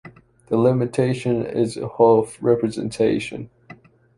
The limitation is the Hopf representation.